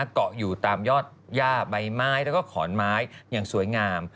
เกาะอยู่ตามยอดย่าใบไม้แล้วก็ขอนไม้อย่างสวยงาม